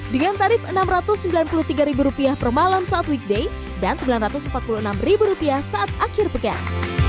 dengan tarif rp enam ratus sembilan puluh tiga per malam saat weekday dan rp sembilan ratus empat puluh enam saat akhir pekan